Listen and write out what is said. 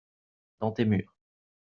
dans tes murs.